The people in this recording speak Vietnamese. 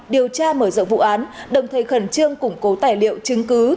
điều tra mở rộng vụ án đồng thời khẩn trương củng cố tài liệu chứng cứ